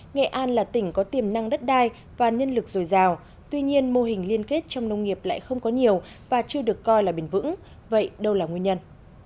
nghệ an là tỉnh có tiềm năng đất đai và nhân lực dồi dào tuy nhiên mô hình liên kết trong nông nghiệp lại không có nhiều và chưa được coi là bền vững vậy đâu là nguyên nhân